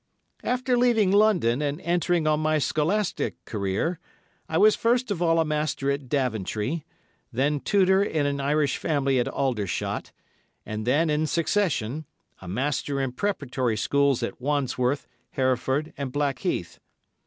After leaving London and entering on my scholastic career, I was first of all a master at Daventry, then tutor in an Irish family at Aldershot, and then, in succession, a master in preparatory schools at Wandsworth, Hereford and Blackheath.